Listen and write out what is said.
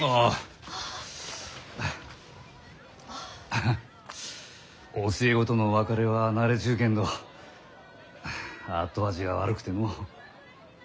ハハ教え子との別れは慣れちゅうけんど後味が悪くてのう。